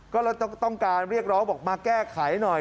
ก็เลยต้องการเรียกร้องบอกมาแก้ไขหน่อย